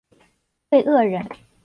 桂萼人。